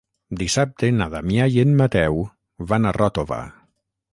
Dissabte na Damià i en Mateu van a Ròtova.